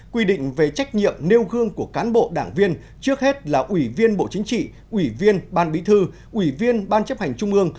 quy định về trách nhiệm nêu gương của cán bộ đảng viên trước hết là ủy viên bộ chính trị ủy viên ban bí thư ủy viên ban chấp hành trung ương